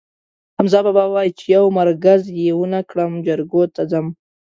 حمزه بابا وایي: چې یو مرگز یې ونه کړم، جرګو ته ځم.